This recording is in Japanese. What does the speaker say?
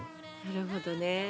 なるほどね。